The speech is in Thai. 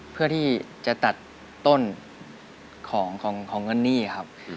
เพื่อที่จะตัดต้นของเงินหนี้ครับ